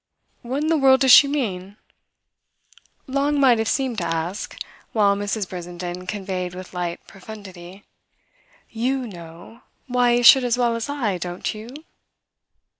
"What in the world does she mean?" Long might have seemed to ask; while Mrs. Brissenden conveyed with light profundity: "You know why he should as well as I, don't you?"